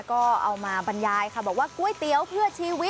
ก็เอามาบรรยายค่ะบอกว่าก๋วยเตี๋ยวเพื่อชีวิต